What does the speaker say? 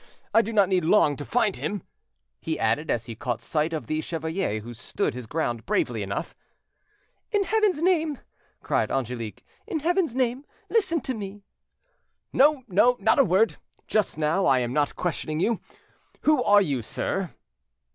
Ha! I do not need long to find him," he added, as he caught sight of the chevalier, who stood his ground bravely enough. "In Heaven's name!" cried Angelique,—"in Heaven's name, listen to me!" "No, no, not a word. Just now I am not questioning you. Who are you, sir?"